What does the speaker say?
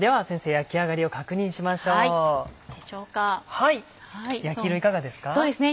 焼き色いかがですか？